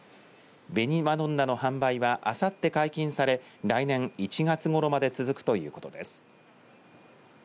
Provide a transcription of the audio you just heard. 紅まどんなの販売はあさって解禁され来年１月ごろまで続くということです。